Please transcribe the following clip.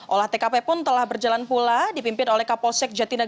olah tkp pun telah berjalan pula dipimpin oleh kapolsek jatinegara kompol supadi